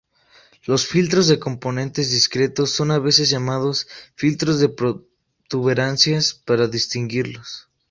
Los filtros de componentes discretos son a veces llamados filtros de protuberancias para distinguirlos.